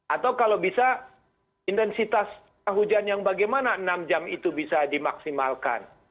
atau kalau bisa intensitas hujan yang bagaimana enam jam itu bisa dimaksimalkan